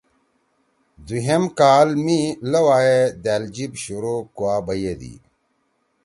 دُھوئم کال می لؤا ئے دأل جیِب شروع کوا بَئیدی۔